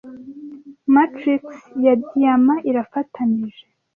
matrix ya diyama irafatanije